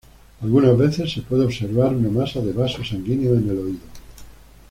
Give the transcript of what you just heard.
Algunas veces, se puede observar una masa de vasos sanguíneos en el oído.